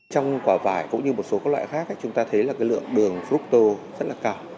trong quả vải cũng như một số các loại khác chúng ta thấy là cái lượng đường fropto rất là cao